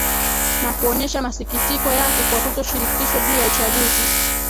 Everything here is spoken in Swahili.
na kuonyesha masikitiko yake kwa kutoshirikishwa juu ya uchaguzi